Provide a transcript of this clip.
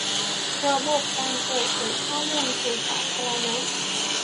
ระบบการเปิดเผยข้อมูลสู่สาธารณะ